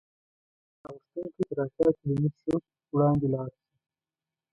که یو مهاجر پناه غوښتونکی تر اتیا کیلومترو وړاندې ولاړشي.